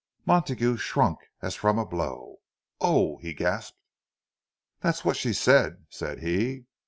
Montague shrunk as from a blow. "Oh!" he gasped. "That's what she said," said he.